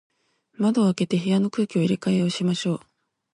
窓を開けて、部屋の空気を入れ替えましょう。